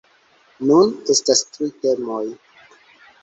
Nun estas tri temoj.